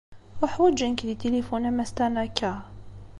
Uḥwaǧen-k di tilifun a mass Tanaka.